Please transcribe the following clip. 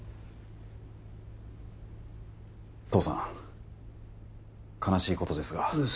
父さん悲しいことですがうるさい